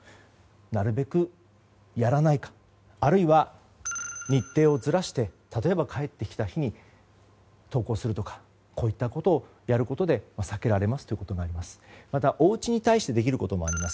なるべくやらないかあるいは、日程をずらして例えば帰ってきた日に投稿するとかこういったことをすることで避けられますといったことになります。